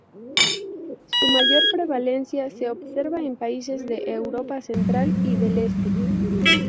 Su mayor prevalencia se observa en países de Europa Central y del Este.